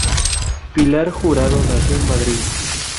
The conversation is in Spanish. Pilar Jurado nació en Madrid.